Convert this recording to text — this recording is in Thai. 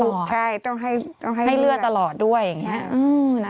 ต้องลุกใช่ต้องให้เลือดให้เลือดตลอดด้วยอย่างนี้